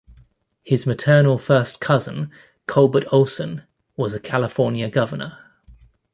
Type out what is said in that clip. His maternal first cousin Culbert Olson was a California governor.